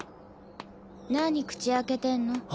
何口開けてんの。